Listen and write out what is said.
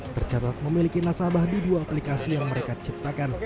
tercatat memiliki nasabah di dua aplikasi yang mereka ciptakan